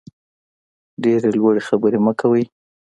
ډېرې لوړې خبرې مه کوئ.